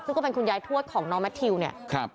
ซึ่งก็เป็นคุณยายทวดของน้องแมททิวเนี่ย